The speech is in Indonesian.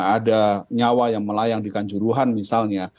ada nyawa yang melayang di kanjuruhan misalnya